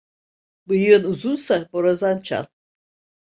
Bıyığın uzunsa borazan çal.